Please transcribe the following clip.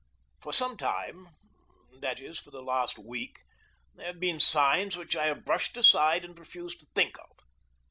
For some time, that is, for the last week, there have been signs which I have brushed aside and refused to think of.